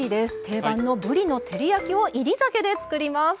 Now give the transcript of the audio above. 定番のぶりの照り焼きを煎り酒で作ります。